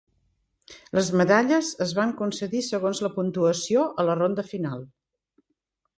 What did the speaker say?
Les medalles es van concedir segons la puntuació a la ronda final.